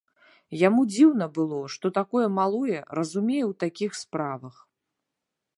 Яму дзіўна было, што такое малое разумее ў такіх справах.